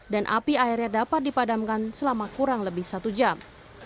api akhirnya dapat dipadamkan selama kurang lebih satu jam